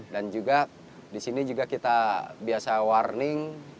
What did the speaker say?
dan juga disini juga kita biasa warning